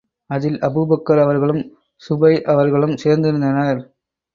அதில் அபூபக்கர் அவர்களும், ஸூபைர் அவர்களும் சேர்ந்திருந்தனர்.